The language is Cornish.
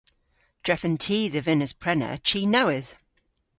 Drefen ty dhe vynnes prena chi nowydh.